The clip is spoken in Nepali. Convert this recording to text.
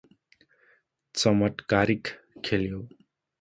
चमत्कारिक खेल्यो ।